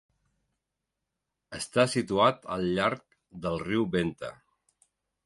Està situat al llarg del riu Venta.